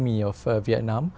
với đội trưởng của việt nam